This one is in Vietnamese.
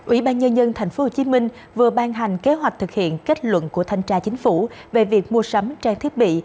ubnd tp hcm vừa ban hành kế hoạch thực hiện kết luận của thanh tra chính phủ về việc mua sắm trang thiết bị